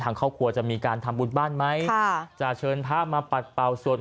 ทางครอบครัวจะมีการทำบุญบ้านไหมค่ะจะเชิญพระมาปัดเป่าส่วน